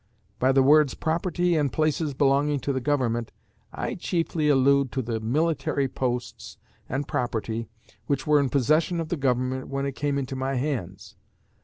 By the words "property and places belonging to the Government," I chiefly allude to the military posts and property which were in possession of the Government when it came into my hands.